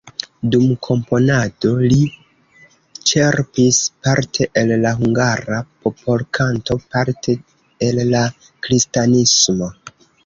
Dum komponado li ĉerpis parte el la hungara popolkanto, parte el la kristanismo.